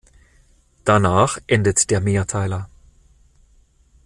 Danach endet der Mehrteiler.